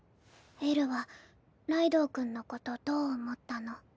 えるはライドウ君のことどう思ったの？